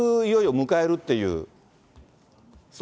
いよいよ迎えるっていう。